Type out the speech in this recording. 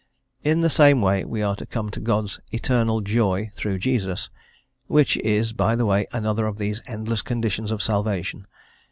In the same way we are to come to God's "eternal joy," through Jesus, which is, by the way, another of these endless conditions of salvation.